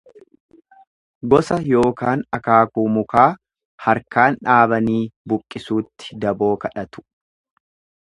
Gosa ykn akaakuu mukaa harkaan dhaabanii buqqisuutti daboo kadhatu.